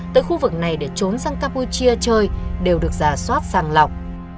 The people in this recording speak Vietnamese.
tới khu vực này để trốn sang cappuchia chơi đều được rà soát sàng lọc